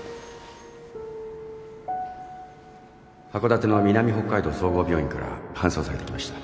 函館の南北海道総合病院から搬送されてきました